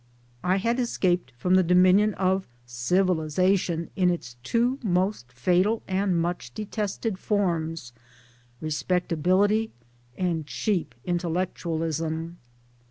I had escaped from the domination of Civilization in its two most fatal and much detested forms, respect ability and cheap intellectualism.